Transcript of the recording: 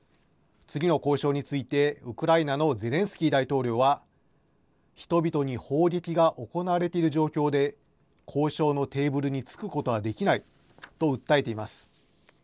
次の交渉について、ウクライナのゼレンスキー大統領は、人々に砲撃が行われている状況で、交渉のテーブルに着くことはできないと訴えています。